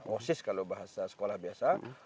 osis kalau bahasa sekolah biasa